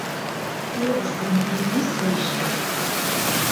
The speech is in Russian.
Хлебушка не принесть ли еще?